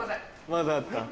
まだあった。